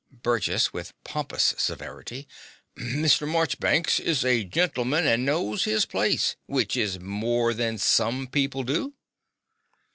BURGESS (with pompous severity). Mr. Morchbanks is a gentleman and knows his place, which is more than some people do.